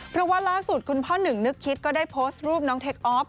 เพราะว่าล่าสุดคุณพ่อหนึ่งนึกคิดก็ได้โพสต์รูปน้องเทคออฟ